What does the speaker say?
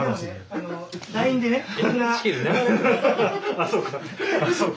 あっそうか。